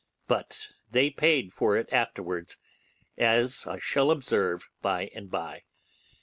But they paid for it afterwards, as I shall observe by and by.